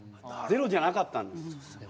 ゼロじゃなかったんです。